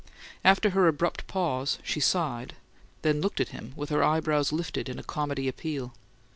After her abrupt pause, she sighed, then looked at him with her eyebrows lifted in a comedy appeal.